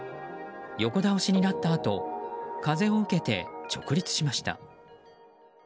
横倒しになったあと風を受けて直立しました。